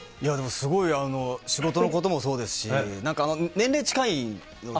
すごい仕事のこともそうですし、なんか年齢近いので。